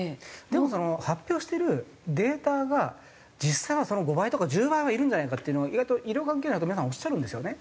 でもその発表してるデータが実際はその５倍とか１０倍はいるんじゃないかっていうのは意外と医療関係者の皆さんおっしゃるんですよね。